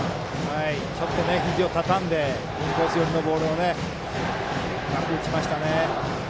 ちょっと、ひじをたたんでインコース寄りのボールをうまく打ちましたね。